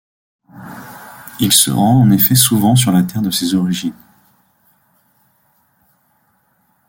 Il se rend en effet souvent sur la terre de ses origines.